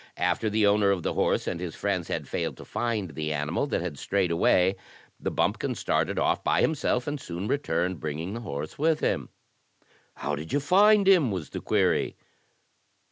After the owner of the horse and his friends had failed to find the animal that had strayed away, the bumpkin started off by himself, and soon returned bringing the horse with him. How did you find him?" was the query.